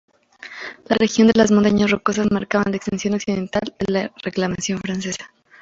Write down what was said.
La región de las Montañas Rocosas marcaban la extensión occidental de la reclamación francesa.